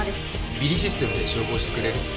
ＢＩＲＩシステムで照合してくれる？